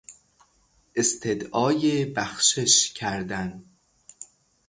استدعای بخشش کردن